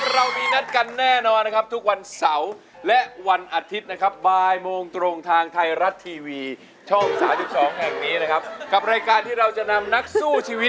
รายการที่เราจะนำนักสู้ชีวิตนะครับที่เขาจะมาสู้ชีวิต